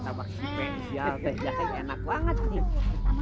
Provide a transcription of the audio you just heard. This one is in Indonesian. dia taruh si tajam mbak